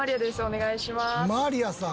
お願いします。